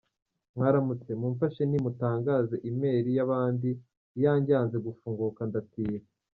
Mwaramutse? Mupfashe ni mutangaze e mail y’abandi iyange yanze gufunguka ndatira.